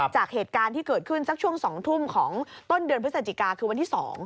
จากเหตุการณ์ที่เกิดขึ้นสักช่วง๒ทุ่มของต้นเดือนพฤศจิกาคือวันที่๒